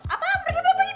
apa pergi pergi